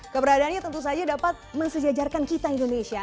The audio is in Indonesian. keberadaannya tentu saja dapat mensejajarkan kita indonesia